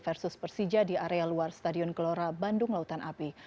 versus persija di area luar stadion gelora bandung lautan api